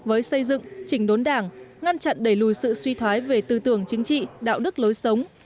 với xây dựng chỉnh đốn đảng ngăn chặn đẩy lùi sự suy thoái về tư tưởng chính trị đạo đức lối sống